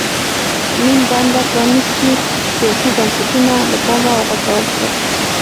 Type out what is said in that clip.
نیم بنده پرانېستي سیاسي بنسټونه له پامه وغورځول شول.